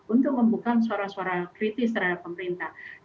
untuk membuka suara suara kritis yang tidak bisa dipakai untuk membuat kesalahan